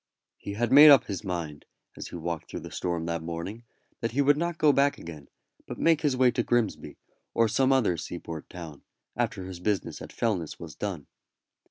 He had made up his mind, as he walked through the storm that morning, that he would not go back again, but make his way to Grimsby, or some other seaport town, after his business at Fellness was done.